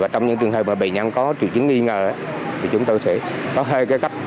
trong những trường hợp bệnh nhân có truyền chứng nghi ngờ chúng tôi sẽ có hai cách